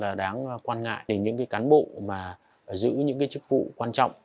rất là đáng quan ngại đến những cán bộ mà giữ những chức vụ quan trọng